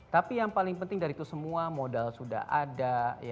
tapi yang paling penting dari itu semua modal sudah ada